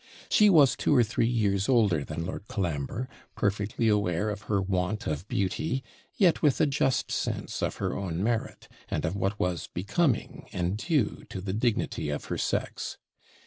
She was two or three years older than Lord Colambre, perfectly aware of her want of beauty, yet with a just sense of her own merit, and of what was becoming and due to the dignity of her sex.